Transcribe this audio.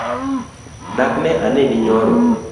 Dak ne aneni nyoro?